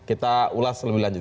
kita ulas lebih lanjut